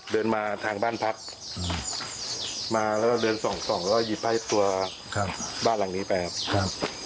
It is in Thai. เดินมาทางบ้านพัดมาแล้วเดินส่องแล้วหยิบให้ตัวบ้านหลังนี้ไปครับ